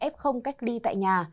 f cách ly tại nhà